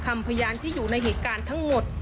พยานที่อยู่ในเหตุการณ์ทั้งหมด